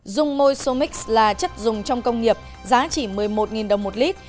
dung môi somix là chất dùng trong công nghiệp giá chỉ một mươi một đồng một lít